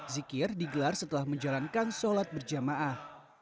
zikir digelar setelah menjalankan sholat berjamaah